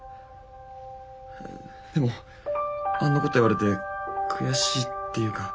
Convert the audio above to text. でもあんなこと言われて悔しいっていうか。